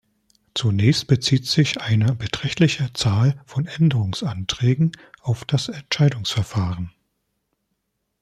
Zunächst bezieht sich eine beträchtliche Zahl von Änderungsanträgen auf das Entscheidungsverfahren.